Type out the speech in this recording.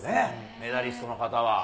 メダリストの方は。